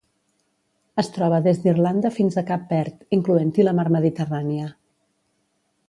Es troba des d'Irlanda fins a Cap Verd, incloent-hi la Mar Mediterrània.